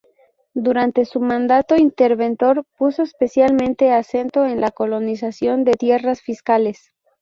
Durante su mandato interventor, puso especialmente acento en la colonización de tierras fiscales.